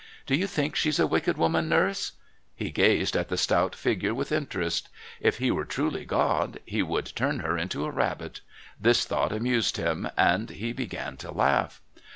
Do you think she's a wicked woman, Nurse?" He gazed at the stout figure with interest. If he were truly God he would turn her into a rabbit. This thought amused him, and he began to laugh.